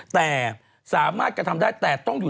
แต่สามารถกระทำได้แต่ต้องอยู่